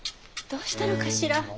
どうしたのかしら。